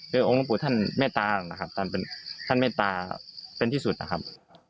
โดยองค์หลวงปู่ท่านเมตตานะครับท่านเมตตาเป็นที่สุดนะครับ